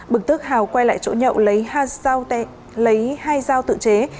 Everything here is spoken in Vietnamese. bực tức hảo quay lại chỗ nhậu lấy hai dao tự chế